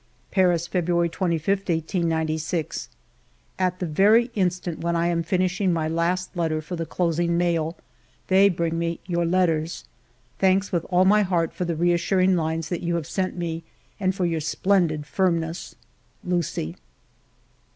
Paris, February 25, 1896. " At the very instant when I am finishing my last letter for the closing mail, they bring me your letters. Thanks with all my heart for the reassuring lines that you have sent me and for your splendid firmness. Lucie."